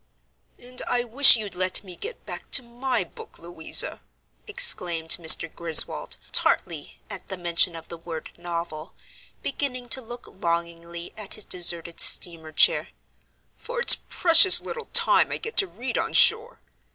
"And I wish you'd let me get back to my book, Louisa," exclaimed Mr. Griswold, tartly, at the mention of the word "novel," beginning to look longingly at his deserted steamer chair, "for it's precious little time I get to read on shore.